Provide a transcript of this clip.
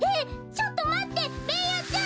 ちょっとまってベーヤちゃん！